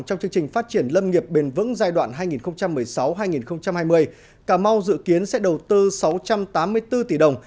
trong chương trình phát triển lâm nghiệp bền vững giai đoạn hai nghìn một mươi sáu hai nghìn hai mươi cà mau dự kiến sẽ đầu tư sáu trăm tám mươi bốn tỷ đồng